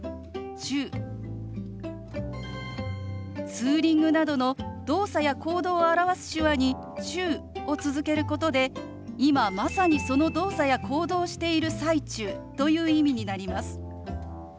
「ツーリング」などの動作や行動を表す手話に「中」を続けることで今まさにその動作や行動をしている最中という意味になります。